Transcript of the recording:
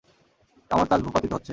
কামার-তাজ ভূপাতিত হচ্ছে।